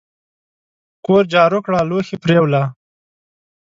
کور جارو کړه لوښي پریوله !